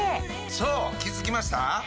そう気づきました？